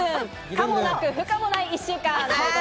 可もなく不可もない１週間。